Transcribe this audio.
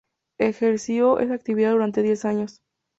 Ejerció esa actividad durante diez años.